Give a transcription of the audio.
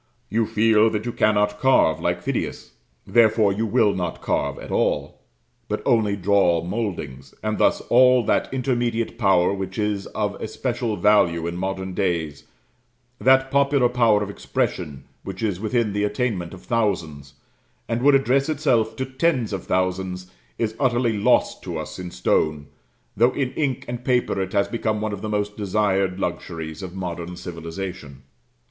You feel that you cannot carve like Phidias; therefore you will not carve at all, but only draw mouldings; and thus all that intermediate power which is of especial value in modern days, that popular power of expression which is within the attainment of thousands, and would address itself to tens of thousands, is utterly lost to us in stone, though in ink and paper it has become one of the most desired luxuries of modern civilization.